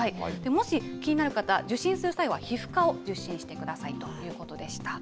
もし、気になる方、受診する際は皮膚科を受診してくださいということでした。